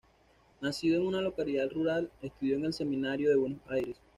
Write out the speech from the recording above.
Nacido en una localidad rural, estudió en el seminario de Buenos Aires.